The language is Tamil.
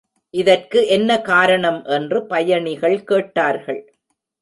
இதற்கு என்ன காரணம் என்று பயணிகள் கேட்டார்கள்.